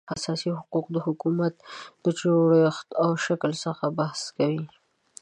اساسي حقوق د حکومت د جوړښت او شکل څخه بحث کوي